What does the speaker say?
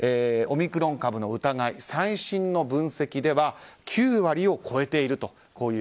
オミクロン株の疑い最新の分析では９割を超えていると。